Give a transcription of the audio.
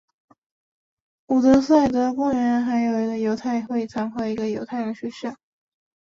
伍德塞德公园还有一个犹太会堂和一个犹太人学校。